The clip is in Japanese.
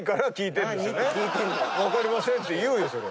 「分かりません」って言うよ。